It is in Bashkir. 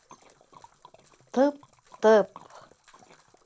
— Тып-тып!